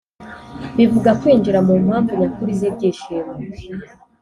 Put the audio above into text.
bivuga kwinjira mu mpamvu nyakuri z’ibyishimo